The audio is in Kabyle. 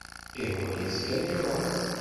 Ihwa-yas kan iruḥ.